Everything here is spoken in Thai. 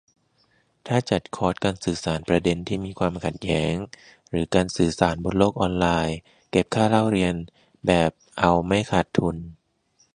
ถ้าจัดคอร์ส การสื่อสารประเด็นที่มีความขัดแย้ง หรือการสื่อสารบนโลกออนไลน์ เก็บค่าเรียนแบบเอาไม่ขาดทุน